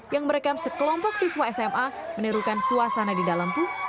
yang merekam sekelompok siswa sma menirukan suasana di dalam bus